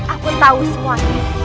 aku tahu semuanya